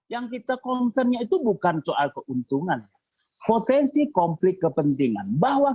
yang kita concern nya itu bukan soal keuntungan potensi konflik kepentingan